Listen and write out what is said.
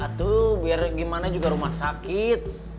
satu biar gimana juga rumah sakit